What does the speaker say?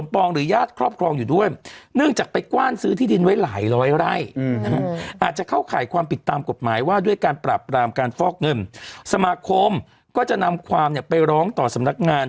พอการประหลาดจัดการมันทำไม่ทันคน